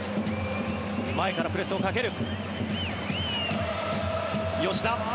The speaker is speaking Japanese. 前からプレスをかける。